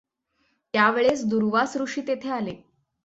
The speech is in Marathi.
त्यावेळेस दुर्वास ऋषी तेथे आले.